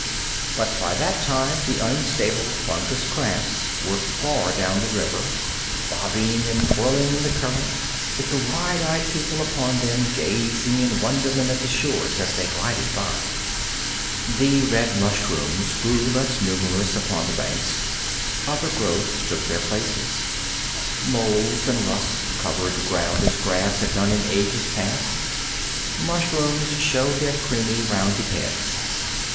But by that time the unstable fungus rafts were far down the river, bobbing and twirling in the current, with the wide eyed people upon them gazing in wonderment at the shores as they glided by. The red mushrooms grew less numerous upon the banks. Other growths took their places. Molds and rusts covered the ground as grass had done in ages past. Mushrooms showed their creamy, rounded heads.